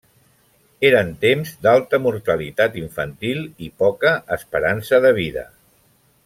Eren temps d'alta mortalitat infantil i poca esperança de vida.